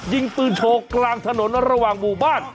ยิงปืนโชว์กลางถนนระหว่างหมู่บ้าน